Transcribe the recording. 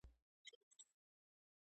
سوچه شات د ډیرو ناروغیو درملنه ده.